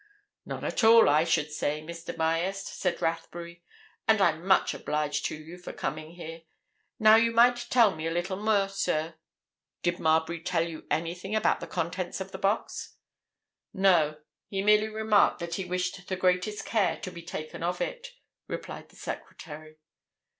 "None at all, I should say, Mr. Myerst," said Rathbury. "And I'm much obliged to you for coming here. Now you might tell me a little more, sir. Did Marbury tell you anything about the contents of the box?" "No. He merely remarked that he wished the greatest care to be taken of it," replied the secretary.